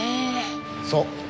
そう。